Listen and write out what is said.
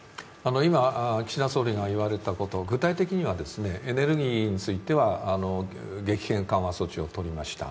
今、岸田総理が言われたこと具体的にはエネルギーについては激変緩和措置をとりました。